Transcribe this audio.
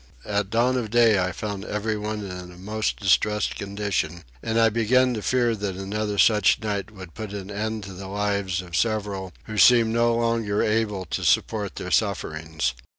At dawn of day I found everyone in a most distressed condition, and I began to fear that another such night would put an end to the lives of several who seemed no longer able to support their sufferings.